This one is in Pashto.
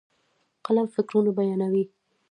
قلم فکرونه بیانوي.